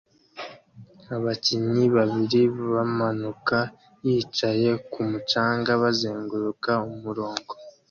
Abakinnyi babiri bamanuka yicaye kumu canga bazenguruka umurongo